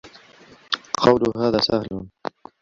قول هذا سهل.